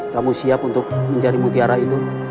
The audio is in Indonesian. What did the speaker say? kamu siap untuk mencari mutiara itu